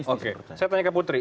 oke saya tanya ke putri